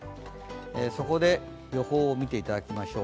そこで予報を見ていただきましょう。